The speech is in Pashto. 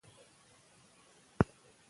که ماشوم وي نو کور نه چوپ کیږي.